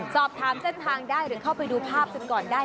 สอบถามเส้นทางได้หรือเข้าไปดูภาพกันก่อนได้